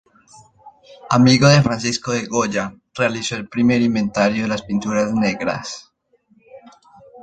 Amigo de Francisco de Goya, realizó el primer inventario de las Pinturas Negras.